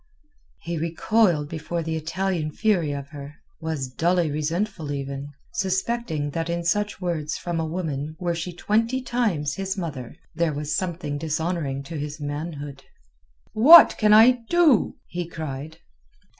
He recoiled before the Italian fury of her, was dully resentful even, suspecting that in such words from a woman were she twenty times his mother, there was something dishonouring to his manhood. "What can I do?" he cried.